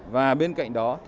và bên cạnh đó